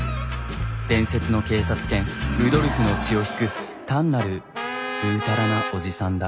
伝説の警察犬ルドルフの血を引く単なるぐうたらなおじさんだ。